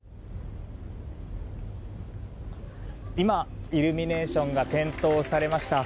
今、イルミネーションが点灯されました。